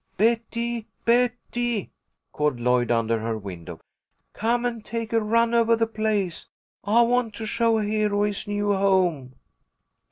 "Betty! Betty!" called Lloyd, under her window. "Come and take a run over the place. I want to show Hero his new home."